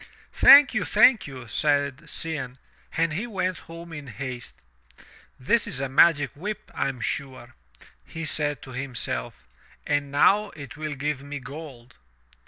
"Thank you, thank you," said Cianne, and he went home in haste. "This is a magic whip, I am sure," he said to him self, "and now it will give me gold."